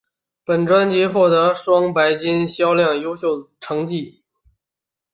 本专辑获得双白金销量优秀成绩。